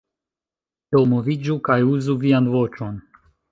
Do moviĝu, kaj uzu vian voĉon.